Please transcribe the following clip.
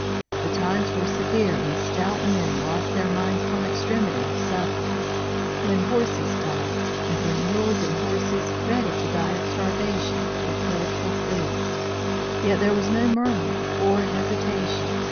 The times were severe when stout men lost their minds from extremity of suffering when horses died and when mules and horses, ready to die of starvation, were killed for food. Yet there was no murmuring or hesitation.